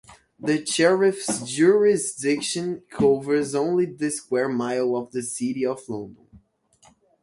The Sheriffs' jurisdiction covers only the square mile of the City of London.